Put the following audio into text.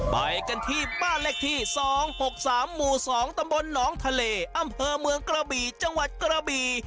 ไปกันที่บ้านเลขที่๒๖๓หมู่๒ตำบลหนองทะเลอำเภอเมืองกระบี่จังหวัดกระบี่